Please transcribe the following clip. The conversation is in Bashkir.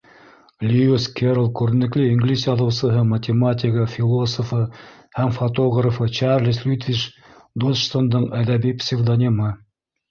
Льюис Кэрролл —күренекле инглиз яҙыусыһы, математигы, философы һәм фотографы Чарльз Лютвидж Доджсондың әҙәби псевдонимы.